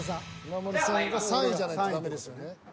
［３位じゃないとダメですよね］